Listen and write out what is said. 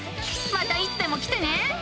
またいつでも来てね。